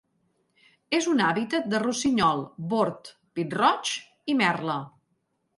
És un hàbitat de rossinyol bord, pit-roig i merla.